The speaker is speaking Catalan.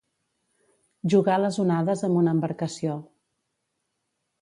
Jugar les onades amb una embarcació.